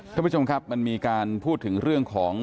ท่านผู้ชมครับมันมีการพูดถึงเรื่องของ